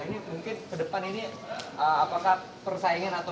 ini mungkin ke depan ini apakah persaingan atau